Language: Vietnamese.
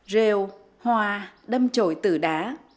rêu hoa đâm trồi từ đá